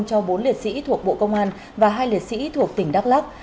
cho bốn liệt sĩ thuộc bộ công an và hai liệt sĩ thuộc tỉnh đắk lắc